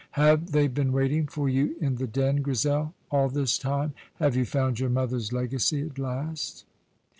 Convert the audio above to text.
Have they been waiting for you in the Den, Grizel, all this time? Have you found your mother's legacy at last?